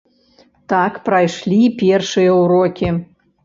Так прайшлі першыя ўрокі.